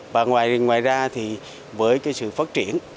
và ngoài ra thì với cái sự phát triển